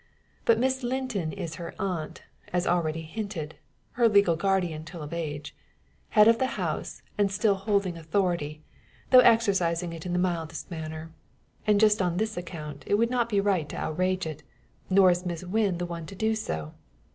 But Miss Linton is her aunt as already hinted, her legal guardian till of age head of the house, and still holding authority, though exercising it in the mildest manner. And just on this account it would not be right to outrage it, nor is Miss Wynn the one to do so.